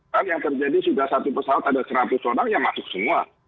kan yang terjadi sudah satu pesawat ada seratus orang yang masuk semua